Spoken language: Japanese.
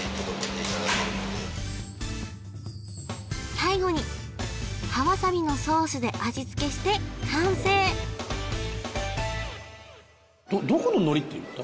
最後に葉わさびのソースで味付けして完成どこの海苔って言った？